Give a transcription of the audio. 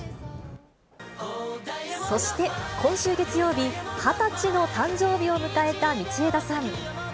そして、今週月曜日、２０歳の誕生日を迎えた道枝さん。